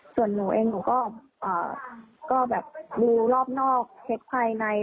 ส่วนหนูเองก็ดูรอบนอกเช็คภายใน